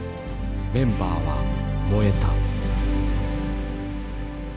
メンバーは燃えた。